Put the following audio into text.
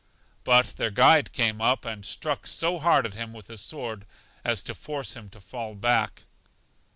But their guide came up, and struck so hard at him with his sword as to force him to fall back.